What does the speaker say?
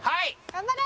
頑張れ！